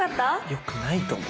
よくないと思う。